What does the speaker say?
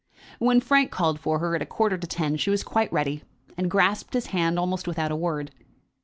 When Frank called for her at a quarter to ten, she was quite ready, and grasped his hand almost without a word.